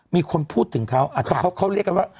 มีคนพูดถึงเขาอาจจะเขาเรียกกันว่า